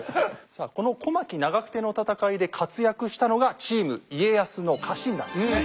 さあこの小牧・長久手の戦いで活躍したのがチーム家康の家臣団ですね。